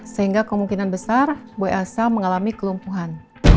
sehingga kemungkinan besar bu elsa mengalami kelumpuhan